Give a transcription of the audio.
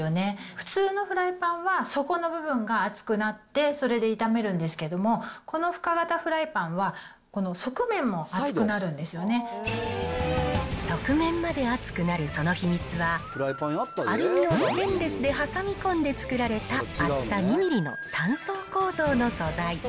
普通のフライパンは、そこの部分が熱くなって、それで炒めるんですけども、この深型フライパンは、側面まで熱くなるその秘密は、アルミをステンレスで挟み込んで作られた、厚さ２ミリの３層構造の素材。